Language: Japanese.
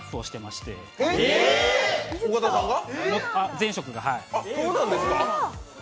前職が。